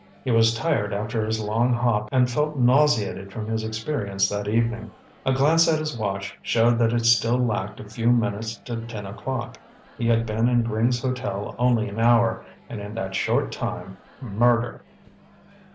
He was tired after his long hop, and felt nauseated from his experience that evening. A glance at his watch showed that it still lacked a few minutes to ten o'clock. He had been in Gring's Hotel only an hour, and in that short time, murder....